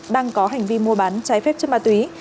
đang có hành vi mua bán trái phép chất ma túy